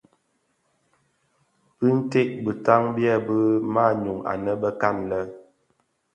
Binted bitan byèbi manyu anë bekan lè.